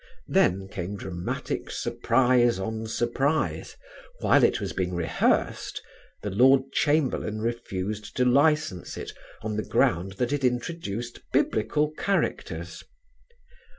Then came dramatic surprise on surprise: while it was being rehearsed, the Lord Chamberlain refused to license it on the ground that it introduced Biblical characters.